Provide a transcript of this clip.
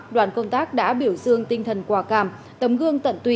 đoàn công tác đã biểu dương tinh thần quả cảm tấm gương tận tụy